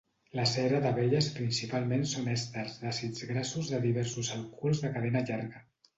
La cera d'abelles principalment són èsters d'àcids grassos de diversos alcohols de cadena llarga.